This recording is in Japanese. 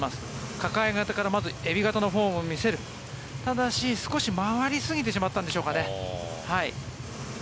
抱え型からエビ型のフォームを見せるただし、少し回りすぎてしまったんでしょうかね。